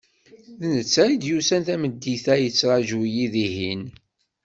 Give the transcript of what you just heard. D netta i d-yusan tameddit-a yettraǧu-yi dihin.